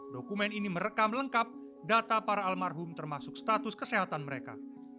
dokumen ini merekam lengkap data para almarhum termasuk status kesehatan mereka